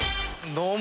どうも！